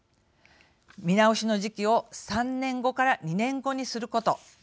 見直しの時期を３年後から２年後にすること。